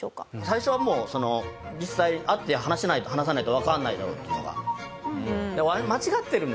最初はもう実際に会って話さないとわからないだろうっていうのが。